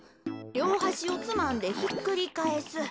りょうはしをつまんでひっくりかえす。